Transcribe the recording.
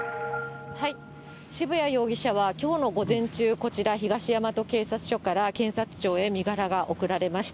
渋谷容疑者はきょうの午前中、こちら、東大和警察署から検察庁へ身柄が送られました。